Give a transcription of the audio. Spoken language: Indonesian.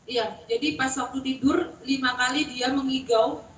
iya jadi pas waktu tidur lima kali dia mengigau